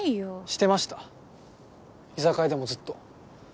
してました居酒屋でもずっと。